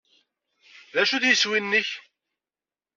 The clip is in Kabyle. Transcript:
D acu-t yiswi-nnek?